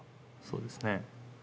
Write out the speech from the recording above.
そうですね